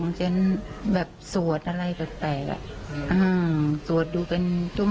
เพราะฉะนั้นแบบสวดอะไรแปลกสวดอยู่เป็นชั่วโมง